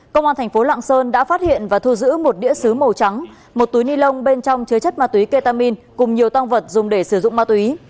công an thành phố lạng sơn đã phát hiện và thu giữ một đĩa xứ màu trắng một túi ni lông bên trong chứa chất ma túy ketamin cùng nhiều tăng vật dùng để sử dụng ma túy